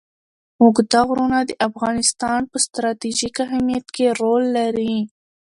اوږده غرونه د افغانستان په ستراتیژیک اهمیت کې رول لري.